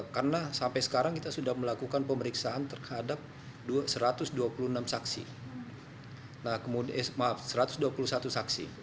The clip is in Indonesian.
karena sampai sekarang kita sudah melakukan pemeriksaan terhadap satu ratus dua puluh satu saksi